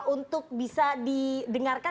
untuk bisa didengarkan